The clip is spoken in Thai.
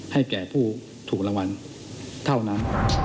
ให้แก่ผู้ถูกรางวัลเท่านั้น